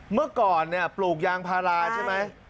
เมื่อก่อนปลูกยางพาราใช่ไหม